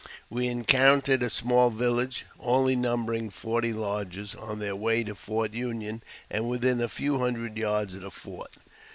We encountered a small village, only numbering ' forty lodges, on their way to Fort Union, and within a few hundred yards of the fort.